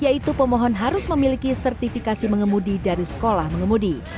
yaitu pemohon harus memiliki sertifikasi mengemudi dari sekolah mengemudi